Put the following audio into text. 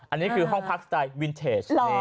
อันนี้คือห้องพักสไตล์วินเทจ